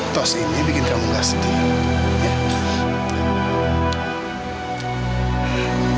tos ini bikin kamu gak sedih